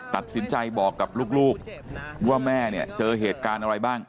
ตัดสินใจบอกกับลูกว่าแม่เนี่ยเจอเหตุการณ์อะไรบ้าง